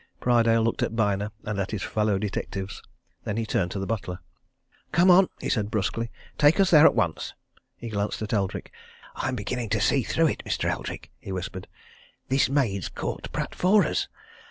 Prydale looked at Byner and at his fellow detectives. Then he turned to the butler. "Come on!" he said brusquely. "Take us there at once!" He glanced at Eldrick. "I'm beginning to see through it, Mr. Eldrick!" he whispered. "This maid's caught Pratt for us.